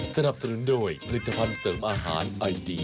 สนับสนุนโดยผลิตภัณฑ์เสริมอาหารไอดี